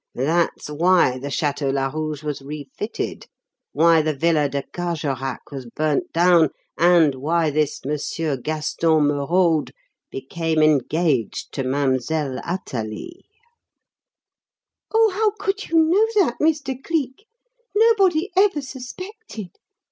That's why the Château Larouge was refitted, why the Villa de Carjorac was burnt down, and why this Monsieur Gaston Merode became engaged to Mademoiselle Athalie." "Oh, how could you know that, Mr. Cleek? Nobody ever suspected.